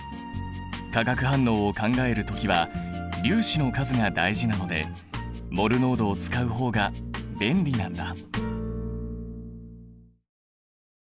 化学反応を考えるときは粒子の数が大事なのでモル濃度を使う方が便利なんだ。